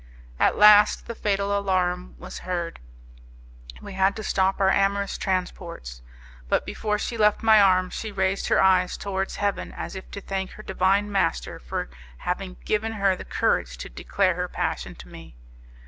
At last the fatal alarum was heard: we had to stop our amorous transports; but before she left my arms she raised her eyes towards heaven as if to thank her Divine Master for having given her the courage to declare her passion to me.